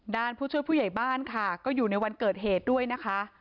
ผู้ช่วยผู้ใหญ่บ้านค่ะก็อยู่ในวันเกิดเหตุด้วยนะคะ